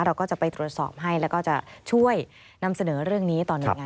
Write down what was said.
เราก็จะไปตรวจสอบให้แล้วก็จะช่วยนำเสนอเรื่องนี้ต่อหน่วยงาน